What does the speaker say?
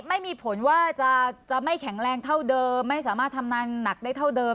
ไม่มีผลว่าจะไม่แข็งแรงเท่าเดิมไม่สามารถทำงานหนักได้เท่าเดิม